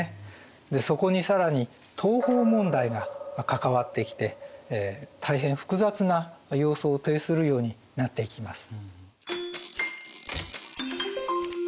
そこに更に東方問題が関わってきて大変複雑な様相を呈するようになっていきます。